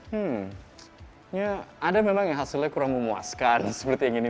hmm ya ada memang yang hasilnya kurang memuaskan seperti yang ini